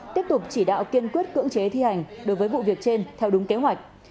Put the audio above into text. tiếp tục chỉ đạo kiên quyết cưỡng chế thi hành đối với vụ việc trên theo đúng kế hoạch